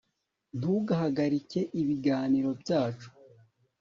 ntugahagarike ibiganiro byacu